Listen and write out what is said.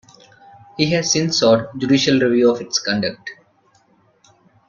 He has since sought judicial review of its conduct.